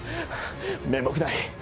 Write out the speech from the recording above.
面目ない。